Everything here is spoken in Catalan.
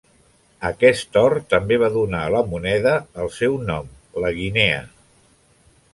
Aquest or també va donar a la moneda el seu nom, la guinea.